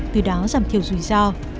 từ đó giảm thiểu rủi ro